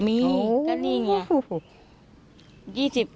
มีก็นี่ไง๒๐ทิน